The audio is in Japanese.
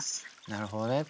なるほどね。